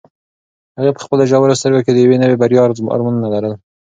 هغې په خپلو ژورو سترګو کې د یوې نوې بریا ارمانونه لرل.